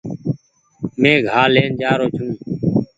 مينٚ گھاه لين جآرو ڇوٚنٚ